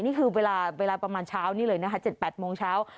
นี่คือเวลาประมาณเช้านี้เลยนะคะ๗๘โมงเช้า